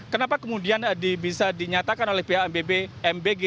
kenapa kemudian bisa dinyatakan oleh pihak mbg